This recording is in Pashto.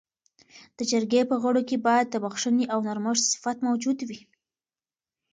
د جرګې په غړو کي باید د بخښنې او نرمښت صفت موجود وي.